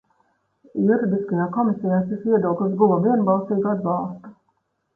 Juridiskajā komisijā šis viedoklis guva vienbalsīgu atbalstu.